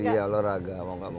iya olahraga mau gak mau